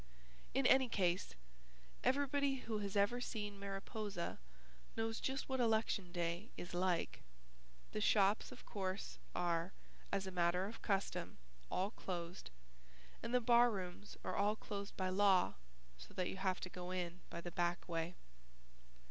In any case, everybody who has ever seen Mariposa knows just what election day is like. The shops, of course, are, as a matter of custom, all closed, and the bar rooms are all closed by law so that you have to go in by the back way.